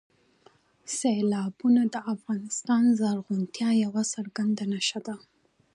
سیلابونه د افغانستان د زرغونتیا یوه څرګنده نښه ده.